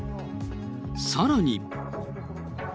さらに。